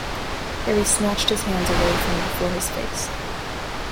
Harry snatched his hands away from before his face.